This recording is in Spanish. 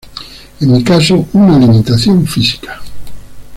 En mi caso, una limitación física.